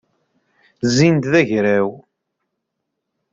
Zzin-d d agraw.